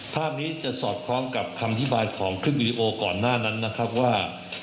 ภาพนี้จะสอดคล้องกับคำอธิบายของคลิปวิดีโอก่อนหน้านั้นนะครับว่า